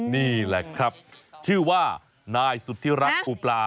นี่แหละครับชื่อว่านายสุธิรักษ์ภูปลา